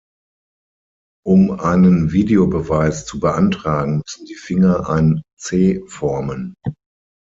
Um einen Videobeweis zu beantragen, müssen die Finger ein „C“ formen.